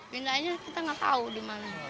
mintanya kita nggak tahu di mana